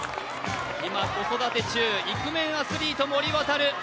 今子育て中、イクメンアスリート、森渉。